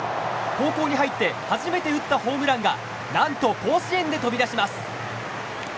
高校に入って初めて打ったホームランが何と甲子園で飛び出します。